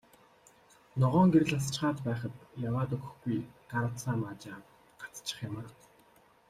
Ногоон гэрэл асчхаад байхад яваад өгөхгүй, гар утсаа маажаад гацчих юм аа.